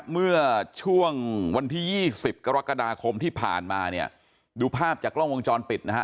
เมื่อช่วงวันที่๒๐กรกฎาคมที่ผ่านมาเนี่ยดูภาพจากกล้องวงจรปิดนะฮะ